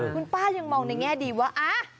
คุณป้ายังมองในแง่ดีว่า